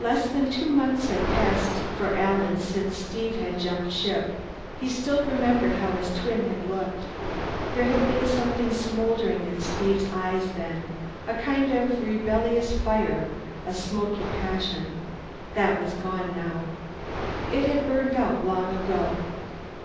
Less than two months had passed for Alan since Steve had jumped ship; he still remembered how his twin had looked. There had been something smouldering in Steve's eyes then, a kind of rebellious fire, a smoky passion. That was gone now. It had burned out long ago.